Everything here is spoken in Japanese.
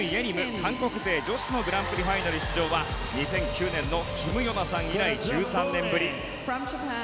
韓国勢で女子のグランプリファイナル出場は２００９年のキム・ヨナさん以来１３年ぶり。